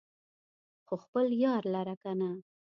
خو خپل يار لره کنه